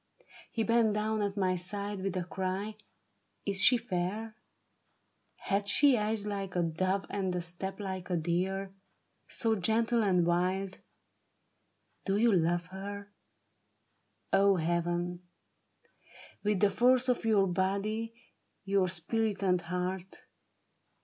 He bent down at my side with a cry :" Is she fair? Hath she eyes like a dove and a step like a deer. So gentle and wild ? Do you love her — O Heaven !— With the force of your body, your spirit, and heart